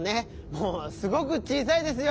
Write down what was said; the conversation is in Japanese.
もう「すごく小さい」ですよ。